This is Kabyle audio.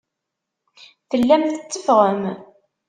Tellam tetteffɣem.